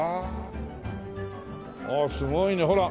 ああすごいねほら